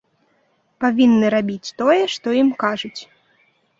Павінны рабіць тое, што ім кажуць!